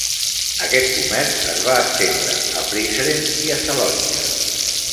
Aquest comerç es va estendre a Prizren i a Salònica.